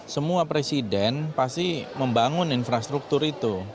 semua presiden pasti membangun infrastruktur itu